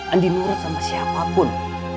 andi nurut sama siapapun